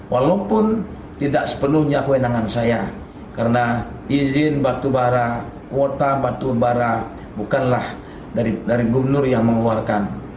walaupun tidak sepenuhnya kewenangan saya karena izin batu bara kuota batu bara bukanlah dari gubernur yang mengeluarkan